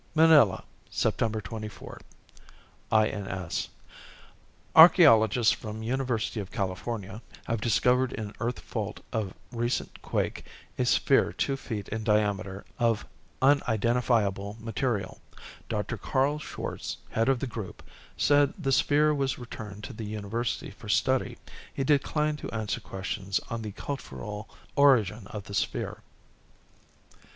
Manila, Sept. 24 (INS) Archeologists from University of California have discovered in earth fault of recent quake a sphere two feet in diameter of an unidentifiable material. Dr. Karl Schwartz, head of the group, said the sphere was returned to the University for study. He declined to answer questions on the cultural origin of the sphere.